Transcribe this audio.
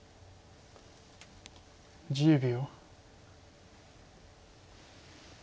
１０秒。